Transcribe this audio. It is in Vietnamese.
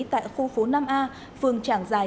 tại khu phố năm a phường trảng giài